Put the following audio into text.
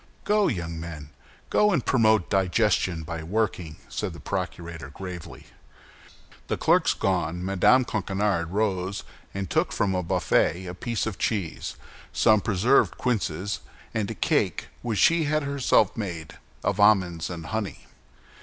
"Go, young men! go and promote digestion by working," said the procurator, gravely. The clerks gone, Mme. Coquenard rose and took from a buffet a piece of cheese, some preserved quinces, and a cake which she had herself made of almonds and honey.